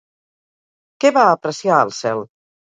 Què va apreciar al cel?